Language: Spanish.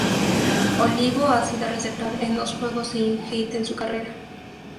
Olivo ha sido receptor en dos juegos sin hit en su carrera.